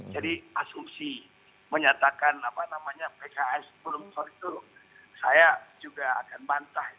jadi asumsi menyatakan apa namanya pks belum solid itu saya juga akan bantah